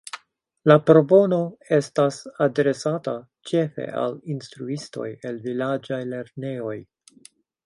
La propono estas adresata ĉefe al instruistoj el vilaĝaj lernejoj.